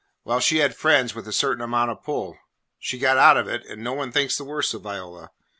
Well, she had friends with a certain amount of pull. She got out of it, and no one thinks the worse of Viola.